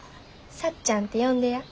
さっちゃんって呼んでや。